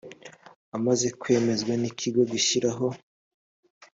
amaze kwemezwa n ikigo gishyiraho